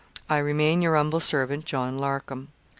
i Remane your humbel servant, 'JOHN LARCOM.'